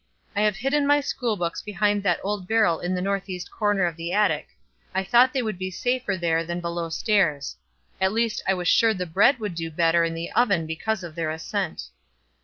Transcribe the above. I have hidden my school books behind that old barrel in the north east corner of the attic. I thought they would be safer there than below stairs. At least I was sure the bread would do better in the oven because of their ascent.